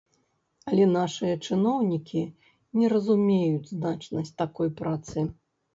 Але нашыя чыноўнікі не разумеюць значнасць такой працы.